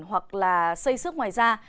hoặc là xây xước ngoài da